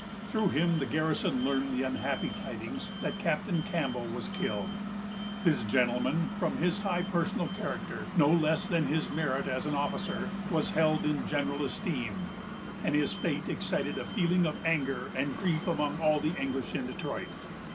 Through him, the garrison learned the unhappy tidings that Captain Campbell was killed. This gentleman, from his high personal character, no less than his merit as an officer, was held in general esteem; and his fate excited a feeling of anger and grief among all the English in Detroit.